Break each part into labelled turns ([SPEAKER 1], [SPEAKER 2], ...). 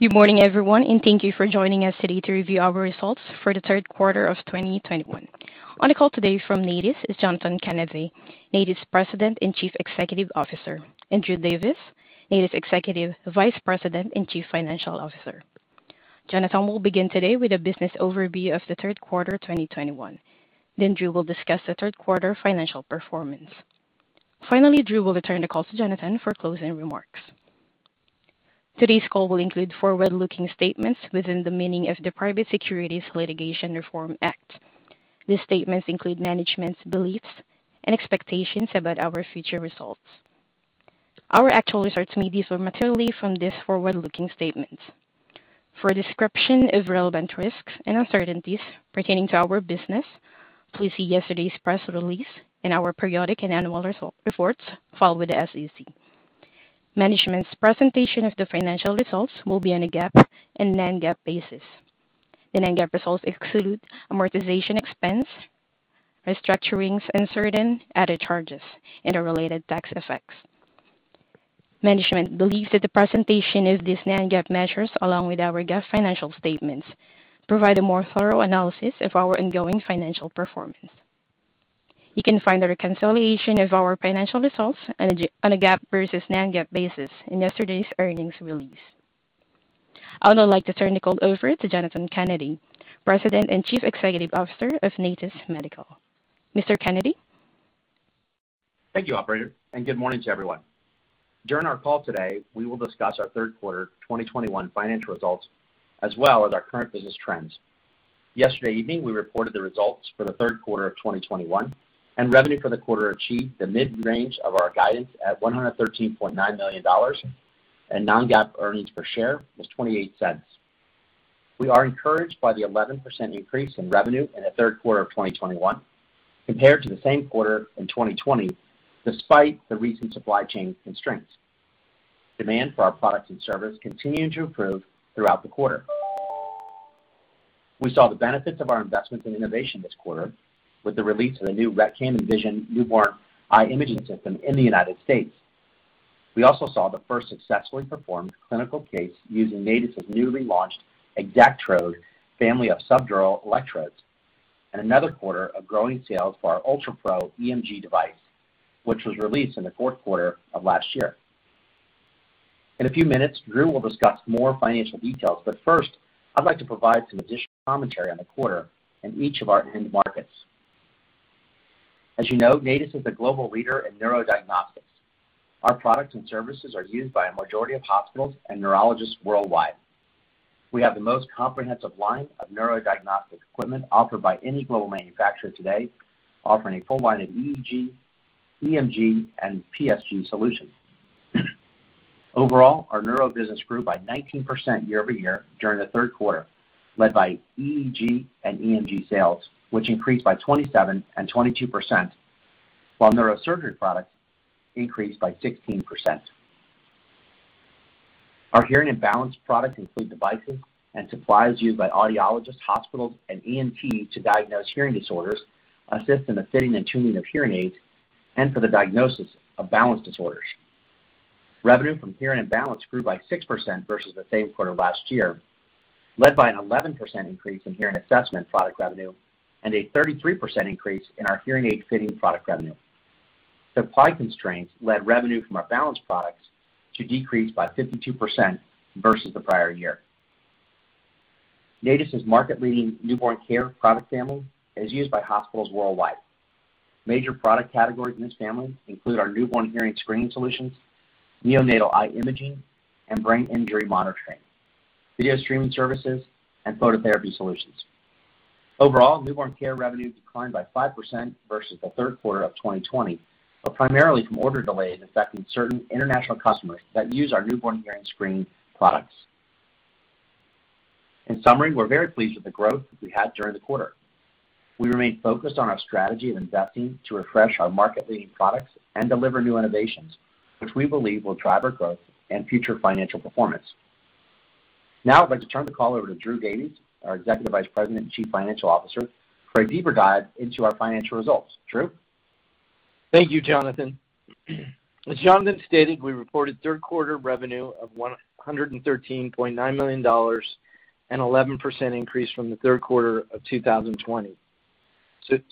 [SPEAKER 1] Good morning, everyone, and thank you for joining us today to review our results for the third quarter of 2021. On the call today from Natus is Jonathan Kennedy, Natus' President and Chief Executive Officer, and Drew Davies, Natus' Executive Vice President and Chief Financial Officer. Jonathan will begin today with a business overview of the third quarter of 2021. Drew will discuss the third quarter financial performance. Finally, Drew will return the call to Jonathan for closing remarks. Today's call will include forward-looking statements within the meaning of the Private Securities Litigation Reform Act. These statements include management's beliefs and expectations about our future results. Our actual results may differ materially from these forward-looking statements. For a description of relevant risks and uncertainties pertaining to our business, please see yesterday's press release and our periodic and annual reports filed with the SEC. Management's presentation of the financial results will be on a GAAP and non-GAAP basis. The non-GAAP results exclude amortization expense, restructurings, and certain added charges and the related tax effects. Management believes that the presentation of these non-GAAP measures, along with our GAAP financial statements, provide a more thorough analysis of our ongoing financial performance. You can find a reconciliation of our financial results on a GAAP versus non-GAAP basis in yesterday's earnings release. I would now like to turn the call over to Jonathan Kennedy, President and Chief Executive Officer of Natus Medical. Mr. Kennedy?
[SPEAKER 2] Thank you, operator, and good morning to everyone. During our call today, we will discuss our third quarter 2021 financial results, as well as our current business trends. Yesterday evening, we reported the results for the third quarter of 2021, and revenue for the quarter achieved the mid-range of our guidance at $113.9 million and non-GAAP earnings per share was $0.28. We are encouraged by the 11% increase in revenue in the third quarter of 2021 compared to the same quarter in 2020, despite the recent supply chain constraints. Demand for our products and service continued to improve throughout the quarter. We saw the benefits of our investments in innovation this quarter with the release of the new RetCam Envision newborn eye imaging system in the United States. We also saw the first successfully performed clinical case using Natus newly launched XactTrode family of subdural electrodes and another quarter of growing sales for our UltraPro EMG device, which was released in the fourth quarter of last year. In a few minutes, Drew will discuss more financial details, but first, I'd like to provide some additional commentary on the quarter in each of our end markets. As you know, Natus is a global leader in neurodiagnostics. Our products and services are used by a majority of hospitals and neurologists worldwide. We have the most comprehensive line of neurodiagnostic equipment offered by any global manufacturer today, offering a full line of EEG, EMG, and PSG solutions. Overall, our Neuro business grew by 19% year-over-year during the third quarter, led by EEG and EMG sales, which increased by 27% and 22%, while neurosurgery products increased by 16%. Our Hearing and Balance products include devices and supplies used by audiologists, hospitals, and ENTs to diagnose hearing disorders, assist in the fitting and tuning of hearing aids, and for the diagnosis of balance disorders. Revenue from Hearing and Balance grew by 6% versus the same quarter last year, led by an 11% increase in hearing assessment product revenue and a 33% increase in our hearing aid fitting product revenue. Supply constraints led revenue from our balance products to decrease by 52% versus the prior year. Natus's market-leading Newborn Care product family is used by hospitals worldwide. Major product categories in this family include our newborn hearing screening solutions, neonatal eye imaging and brain injury monitoring, video streaming services, and phototherapy solutions. Overall, Newborn Care revenue declined by 5% versus the third quarter of 2020, but primarily from order delays affecting certain international customers that use our newborn hearing screening products. In summary, we're very pleased with the growth that we had during the quarter. We remain focused on our strategy of investing to refresh our market-leading products and deliver new innovations, which we believe will drive our growth and future financial performance. Now I'd like to turn the call over to Drew Davies, our Executive Vice President and Chief Financial Officer, for a deeper dive into our financial results. Drew?
[SPEAKER 3] Thank you, Jonathan. As Jonathan stated, we reported third quarter revenue of $113.9 million, an 11% increase from the third quarter of 2020.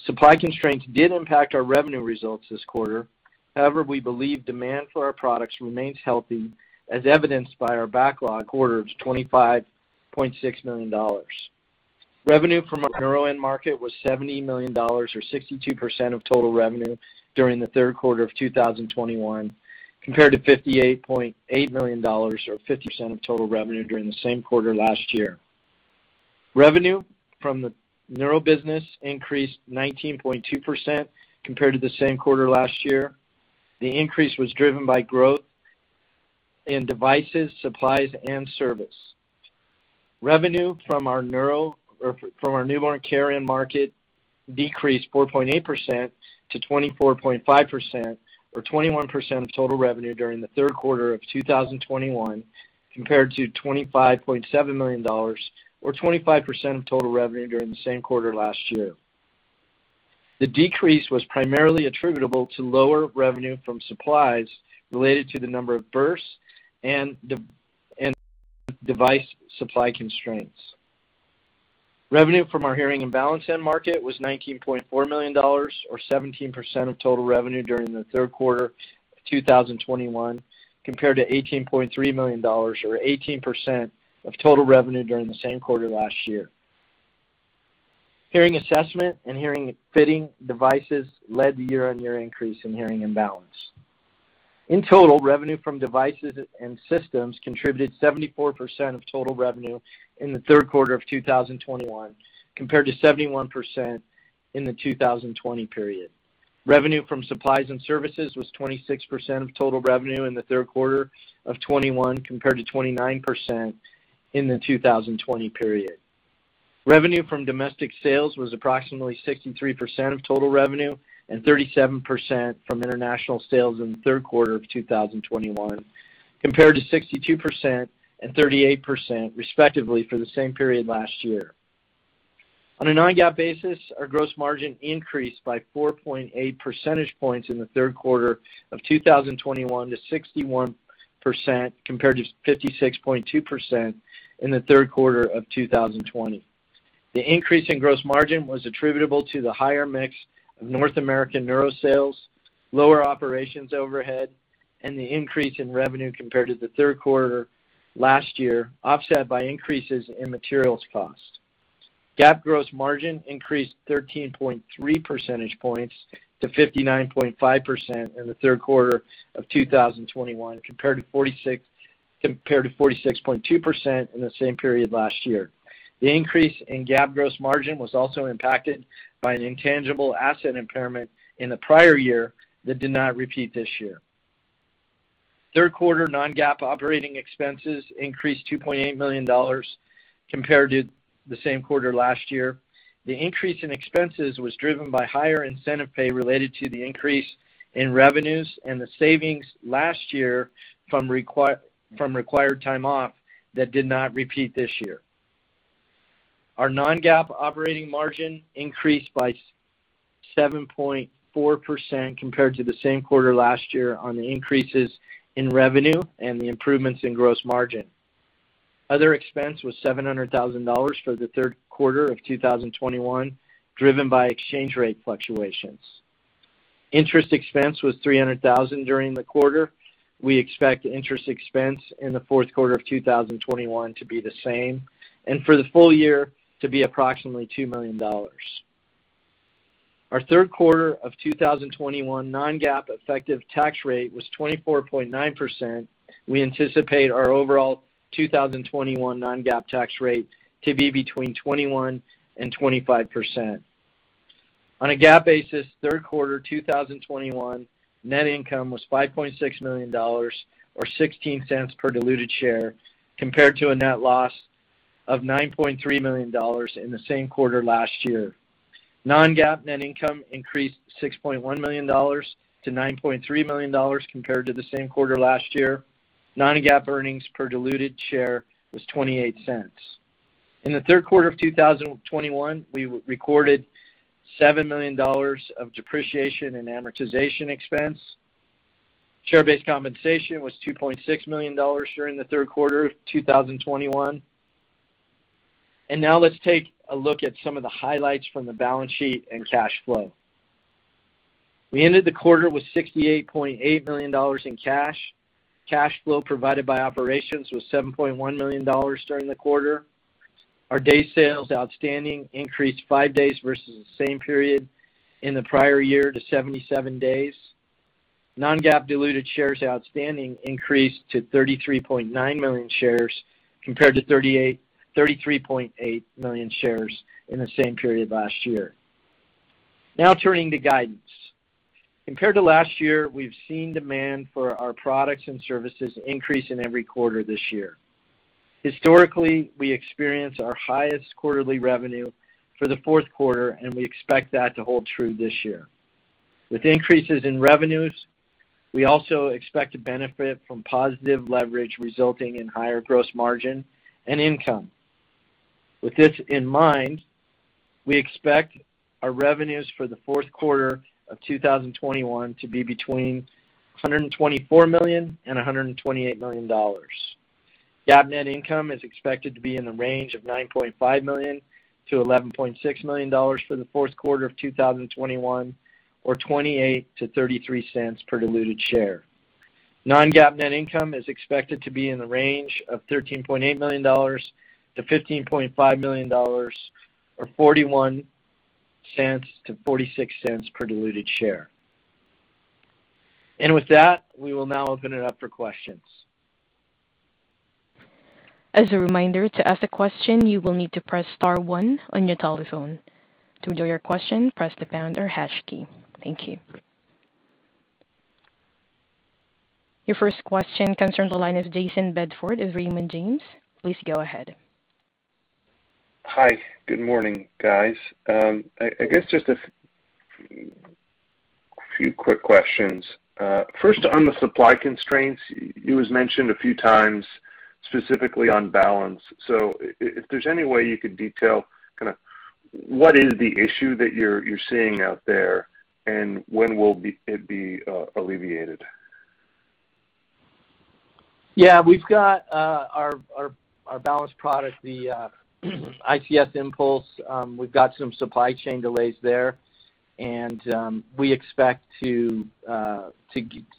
[SPEAKER 3] Supply constraints did impact our revenue results this quarter. However, we believe demand for our products remains healthy as evidenced by our backlog quarter of $25.6 million. Revenue from our Neuro end market was $70 million or 62% of total revenue during the third quarter of 2021, compared to $58.8 million or 50% of total revenue during the same quarter last year. Revenue from the Neuro business increased 19.2% compared to the same quarter last year. The increase was driven by growth in devices, supplies, and service. Revenue from our Newborn Care end market decreased 4.8% to 24.5% or 21% of total revenue during the third quarter of 2021, compared to $25.7 million or 25% of total revenue during the same quarter last year. The decrease was primarily attributable to lower revenue from supplies related to the number of births and device supply constraints. Revenue from our Hearing and Balance end market was $19.4 million or 17% of total revenue during the third quarter of 2021, compared to $18.3 million or 18% of total revenue during the same quarter last year. Hearing assessment and hearing fitting devices led the year-on-year increase in Hearing and Balance. In total, revenue from devices and systems contributed 74% of total revenue in the third quarter of 2021, compared to 71% in the 2020 period. Revenue from supplies and services was 26% of total revenue in the third quarter of 2021, compared to 29% in the 2020 period. Revenue from domestic sales was approximately 63% of total revenue and 37% from international sales in the third quarter of 2021, compared to 62% and 38% respectively for the same period last year. On a non-GAAP basis, our gross margin increased by 4.8 percentage points in the third quarter of 2021 to 61%, compared to 56.2% in the third quarter of 2020. The increase in gross margin was attributable to the higher mix of North American Neuro sales, lower operations overhead, and the increase in revenue compared to the third quarter last year, offset by increases in materials cost. GAAP gross margin increased 13.3 percentage points to 59.5% in the third quarter of 2021 compared to 46.2% in the same period last year. The increase in GAAP gross margin was also impacted by an intangible asset impairment in the prior year that did not repeat this year. Third quarter non-GAAP operating expenses increased $2.8 million compared to the same quarter last year. The increase in expenses was driven by higher incentive pay related to the increase in revenues and the savings last year from required time off that did not repeat this year. Our non-GAAP operating margin increased by 7.4% compared to the same quarter last year on the increases in revenue and the improvements in gross margin. Other expense was $700,000 for the third quarter of 2021, driven by exchange rate fluctuations. Interest expense was $300,000 during the quarter. We expect interest expense in the fourth quarter of 2021 to be the same, and for the full year to be approximately $2 million. Our third quarter of 2021 non-GAAP effective tax rate was 24.9%. We anticipate our overall 2021 non-GAAP tax rate to be between 21% and 25%. On a GAAP basis, third quarter 2021 net income was $5.6 million or $0.16 per diluted share compared to a net loss of $9.3 million in the same quarter last year. Non-GAAP net income increased $6.1 million to $9.3 million compared to the same quarter last year. Non-GAAP earnings per diluted share was $0.28. In the third quarter of 2021, we recorded $7 million of depreciation and amortization expense. Share-based compensation was $2.6 million during the third quarter of 2021. Now let's take a look at some of the highlights from the balance sheet and cash flow. We ended the quarter with $68.8 million in cash. Cash flow provided by operations was $7.1 million during the quarter. Our days sales outstanding increased five days versus the same period in the prior year to 77 days. Non-GAAP diluted shares outstanding increased to 33.9 million shares compared to 33.8 million shares in the same period last year. Now turning to guidance. Compared to last year, we've seen demand for our products and services increase in every quarter this year. Historically, we experience our highest quarterly revenue for the fourth quarter, and we expect that to hold true this year. With increases in revenues, we also expect to benefit from positive leverage resulting in higher gross margin and income. With this in mind, we expect our revenues for the fourth quarter of 2021 to be between $124 million and $128 million. GAAP net income is expected to be in the range of $9.5 million-$11.6 million for the fourth quarter of 2021 or $0.28-$0.33 per diluted share. non-GAAP net income is expected to be in the range of $13.8 million-$15.5 million or $0.41-$0.46 per diluted share. With that, we will now open it up for questions.
[SPEAKER 1] As a reminder, to ask a question, you will need to press star one on your telephone. To withdraw your question, press the pound or hash key. Thank you. Your first question comes from the line of Jayson Bedford of Raymond James. Please go ahead.
[SPEAKER 4] Hi. Good morning, guys. I guess just a few quick questions. First, on the supply constraints, it was mentioned a few times specifically on balance. If there's any way you could detail kinda what is the issue that you're seeing out there and when it will be alleviated.
[SPEAKER 3] Yeah. We've got our balance product, the ICS Impulse. We've got some supply chain delays there. We expect to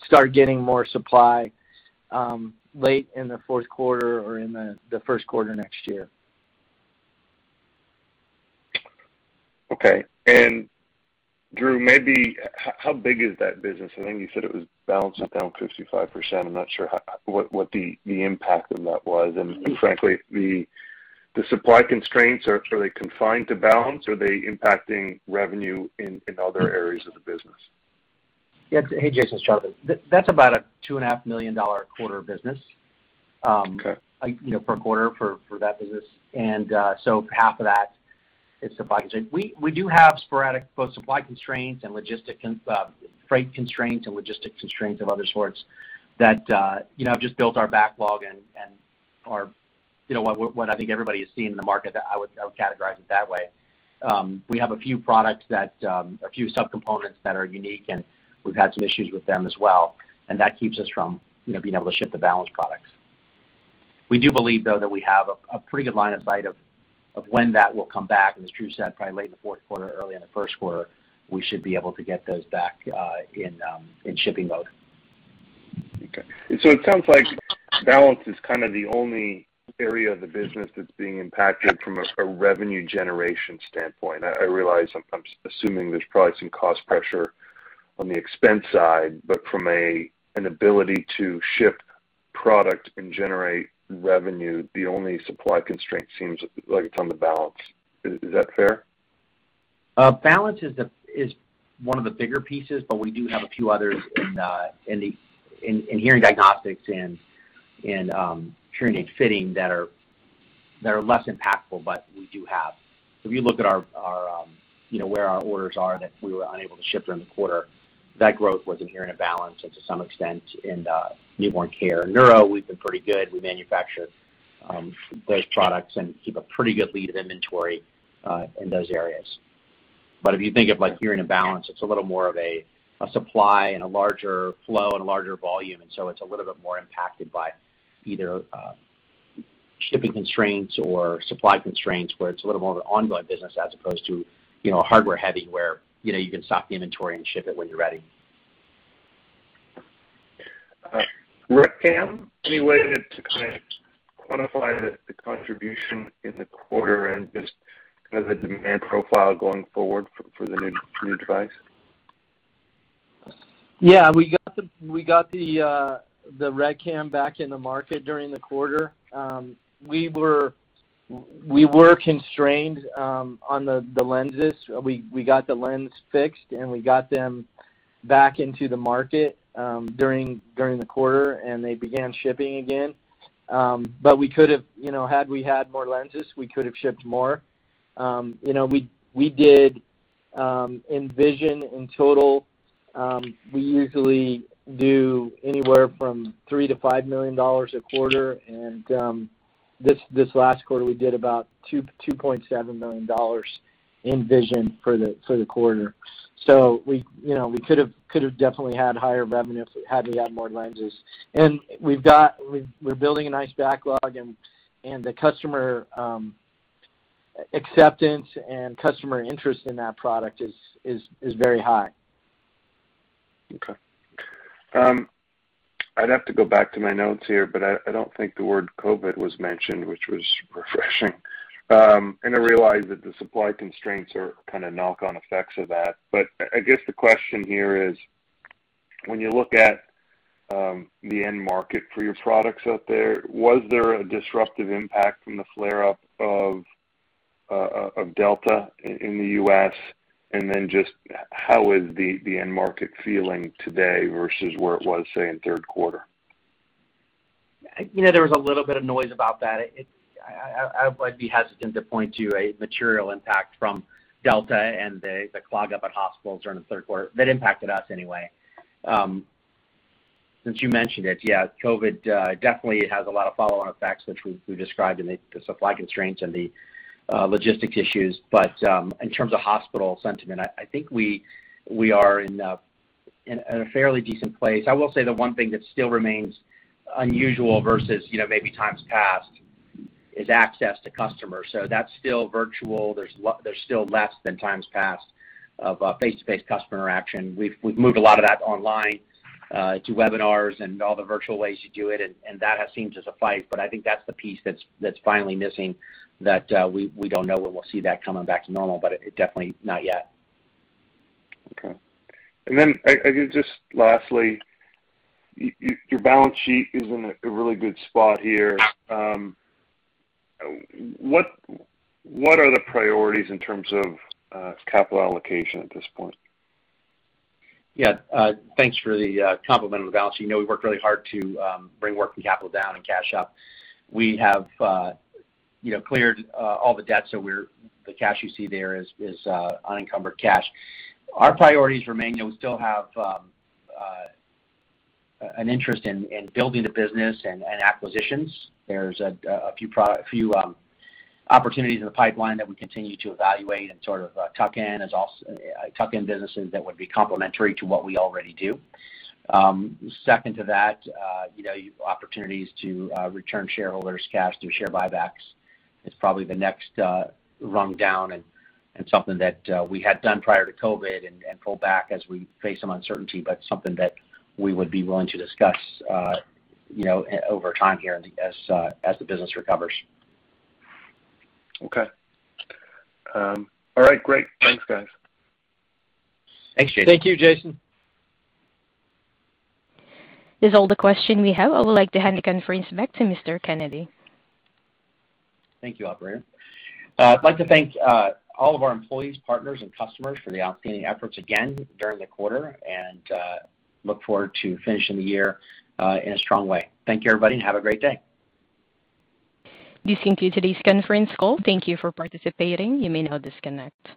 [SPEAKER 3] start getting more supply late in the fourth quarter or in the first quarter next year.
[SPEAKER 4] Okay. Drew, maybe how big is that business? I think you said balance was down 55%. I'm not sure what the impact of that was. Frankly, the supply constraints, are they confined to balance or are they impacting revenue in other areas of the business?
[SPEAKER 2] Yeah. Hey, Jayson. It's Jonathan. That's about a $2.5 million quarter business.
[SPEAKER 4] Okay.
[SPEAKER 2] You know, per quarter for that business. So half of that is supply chain. We do have sporadic both supply constraints and freight constraints and logistics constraints of other sorts that, you know, have just built our backlog and are, you know, what I think everybody has seen in the market that I would categorize it that way. We have a few subcomponents that are unique, and we've had some issues with them as well, and that keeps us from, you know, being able to ship the balance products. We do believe, though, that we have a pretty good line of sight of when that will come back. As Drew said, probably late in the fourth quarter, early in the first quarter, we should be able to get those back in shipping mode.
[SPEAKER 4] Okay. It sounds like balance is kind of the only area of the business that's being impacted from a revenue generation standpoint. I realize I'm assuming there's probably some cost pressure on the expense side, but from an ability to ship product and generate revenue, the only supply constraint seems like it's on the balance. Is that fair?
[SPEAKER 2] Balance is one of the bigger pieces, but we do have a few others in hearing diagnostics and hearing aid fitting that are less impactful, but we do have. If you look at our, you know, where our orders are that we were unable to ship during the quarter, that growth was in Hearing and Balance and to some extent in Newborn Care. Neuro, we've been pretty good. We manufacture those products and keep a pretty good lead of inventory in those areas. If you think of like Hearing and Balance, it's a little more of a supply and a larger flow and a larger volume, and so it's a little bit more impacted by either shipping constraints or supply constraints, where it's a little more of an ongoing business as opposed to, you know, hardware-heavy, where, you know, you can stock the inventory and ship it when you're ready.
[SPEAKER 4] RetCam, any way to kind of quantify the contribution in the quarter and just kind of the demand profile going forward for the new device?
[SPEAKER 3] Yeah. We got the RetCam back in the market during the quarter. We were constrained on the lenses. We got the lens fixed, and we got them back into the market during the quarter, and they began shipping again. But we could have, you know, had we had more lenses, we could have shipped more. You know, we did Envision in total. We usually do anywhere from $3 million-$5 million a quarter. This last quarter, we did about $2.7 million in Envision for the quarter. We, you know, could have definitely had higher revenue if we had had more lenses. We're building a nice backlog and the customer acceptance and customer interest in that product is very high.
[SPEAKER 4] Okay. I'd have to go back to my notes here, but I don't think the word COVID was mentioned, which was refreshing. I realize that the supply constraints are kinda knock-on effects of that. I guess the question here is, when you look at the end market for your products out there, was there a disruptive impact from the flare-up of Delta in the U.S.? Just how is the end market feeling today versus where it was, say, in third quarter?
[SPEAKER 2] You know, there was a little bit of noise about that. I would be hesitant to point to a material impact from Delta and the clog up at hospitals during the third quarter that impacted us anyway. Since you mentioned it, yeah, COVID definitely has a lot of follow-on effects, which we described in the supply constraints and the logistics issues. In terms of hospital sentiment, I think we are in a fairly decent place. I will say the one thing that still remains unusual versus, you know, maybe times past is access to customers. That's still virtual. There's still less than times past of face-to-face customer interaction. We've moved a lot of that online to webinars and all the virtual ways you do it, and that has seemed to suffice. I think that's the piece that's finally missing that we don't know when we'll see that coming back to normal, but it definitely not yet.
[SPEAKER 4] Okay. I guess just lastly, your balance sheet is in a really good spot here. What are the priorities in terms of capital allocation at this point?
[SPEAKER 2] Yeah. Thanks for the compliment on the balance sheet. You know, we worked really hard to bring working capital down and cash up. We have you know cleared all the debt, so the cash you see there is unencumbered cash. Our priorities remain, you know, we still have an interest in building the business and acquisitions. There's a few product opportunities in the pipeline that we continue to evaluate and sort of tuck in businesses that would be complementary to what we already do. Second to that, you know, opportunities to return shareholders' cash through share buybacks is probably the next rung down and something that we had done prior to COVID and pulled back as we faced some uncertainty, but something that we would be willing to discuss, you know, over time, as the business recovers.
[SPEAKER 4] Okay. All right. Great. Thanks, guys.
[SPEAKER 2] Thanks, Jayson.
[SPEAKER 3] Thank you, Jayson.
[SPEAKER 1] That's all the question we have. I would like to hand the conference back to Mr. Kennedy.
[SPEAKER 2] Thank you, operator. I'd like to thank all of our employees, partners, and customers for the outstanding efforts again during the quarter, and look forward to finishing the year in a strong way. Thank you, everybody, and have a great day.
[SPEAKER 1] This concludes today's conference call. Thank you for participating. You may now disconnect.